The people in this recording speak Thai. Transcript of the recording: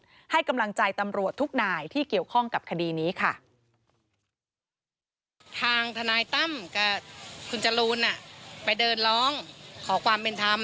ให้กำลังใจตำรวจทุกนายที่เกี่ยวข้องกับคดีนี้ค่ะ